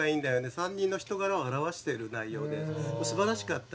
３人の人柄を表してる内容ですばらしかった。